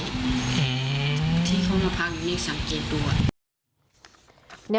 แต่ที่เขามาพักอยู่ไม่สังเกตดูอะ